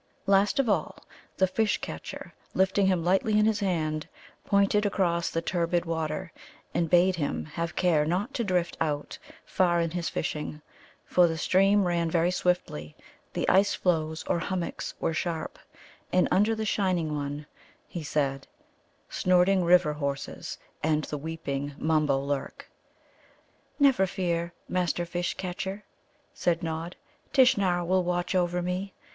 Last of all, the Fish catcher, lifting him lightly in his hand, pointed across the turbid water, and bade him have care not to drift out far in his fishing, for the stream ran very swiftly, the ice floes or hummocks were sharp, and under the Shining one, he said, snorting River horses and the weeping Mumbo lurk. "Never fear, Master Fish catcher," said Nod. "Tishnar will watch over me.